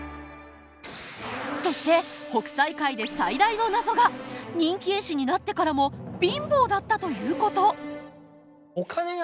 そして北斎回で最大の謎が人気絵師になってからも貧乏だったということ。